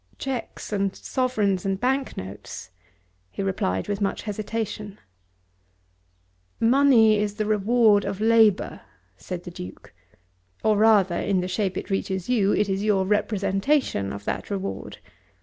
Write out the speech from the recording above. "Cheques, and sovereigns, and bank notes," he replied with much hesitation. "Money is the reward of labour," said the Duke, "or rather, in the shape it reaches you, it is your representation of that reward.